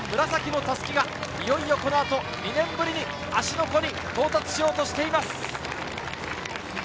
紫の襷がいよいよこのあと２年ぶりに芦ノ湖に到達しようとしています。